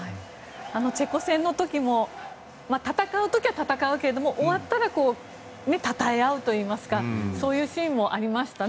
チェコ戦の時も戦う時は戦うけれども終わったらたたえ合うといいますかそういうシーンもありましたね